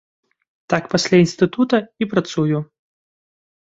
Так пасля інстытута і працую.